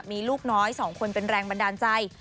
มีลูกน้อย๒คนเป็นแรงบันดาลใจ